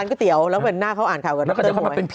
อ๋อเดี๋ยวมันอ่านเข้ากัน